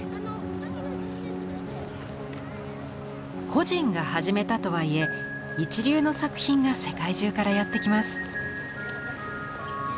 個人が始めたとはいえ一流の作品が世界中からやって来ます。